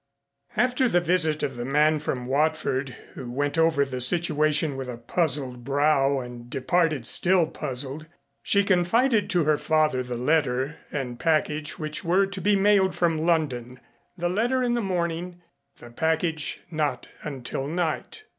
After the visit of the man from Watford, who went over the situation with a puzzled brow and departed still puzzled, she confided to her father the letter and package which were to be mailed from London, the letter in the morning, the package not until night.